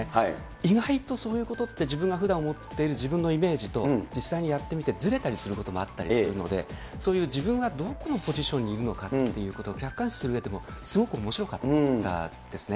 意外とそういうことって、自分がふだん思っている自分のイメージと、実際にやってみてずれたりすることもあったりするので、そういう自分がどこのポジションにいるのかということを客観視するうえでもすごくおもしろかったですね。